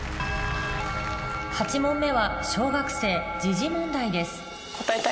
８問目は小学生時事問題です